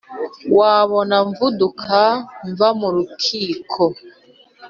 Wabona mvuduka mva mu rukiko